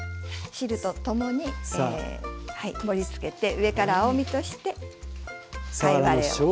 汁と共に盛りつけて上から青みとして貝割れをね。